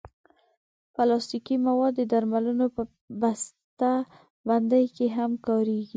پلاستيکي مواد د درملو په بستهبندۍ کې هم کارېږي.